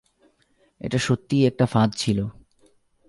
এটা সত্যিই একটা ফাঁদ ছিল।